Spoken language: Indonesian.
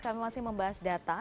kami masih membahas data